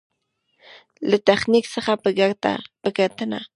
له تخنيک څخه په ګټنه.